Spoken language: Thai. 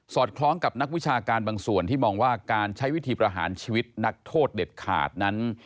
คล้องกับนักวิชาการบางส่วนที่มองว่าการใช้วิธีประหารชีวิตนักโทษเด็ดขาดนั้น